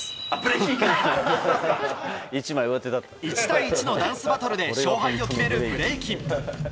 １対１のダンスバトルで勝敗を決める、ブレイキン。